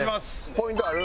ポイントある？